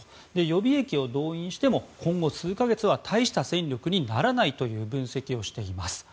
予備役を動員しても今後、数か月は大した戦力にならないという分析をしています。